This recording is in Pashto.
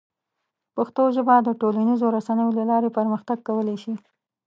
پښتو ژبه د ټولنیزو رسنیو له لارې پرمختګ کولی شي.